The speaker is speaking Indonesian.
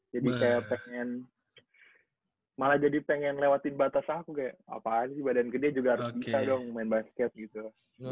jadi kayak pengen malah jadi pengen lewatin batas aku kayak apaan sih badan gede juga harus bisa dong main basket gitu